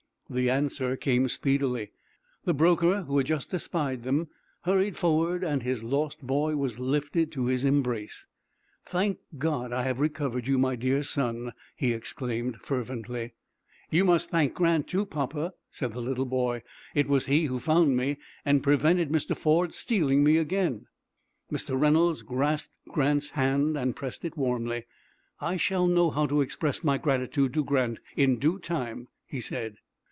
The answer came speedily. The broker, who had just espied them, hurried forward, and his lost boy was lifted to his embrace. "Thank God, I have recovered you, my dear son," he exclaimed, fervently. "You must thank Grant, too, papa," said the little boy. "It was he who found me and prevented Mr. Ford stealing me again." Mr. Reynolds grasped Grant's hand and pressed it warmly. "I shall know how to express my gratitude to Grant in due time," he said.